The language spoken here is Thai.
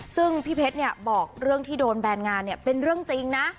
ซึ่งพี่เพชรบอกเรื่องที่โดนแบนงานเนี่ยเป็นเรื่องจริงนะ